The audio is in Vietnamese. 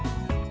mùng d heat